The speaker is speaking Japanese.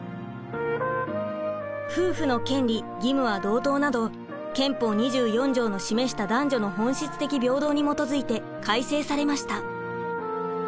夫婦の権利義務は同等など憲法２４条の示した男女の本質的平等に基づいて改正されました。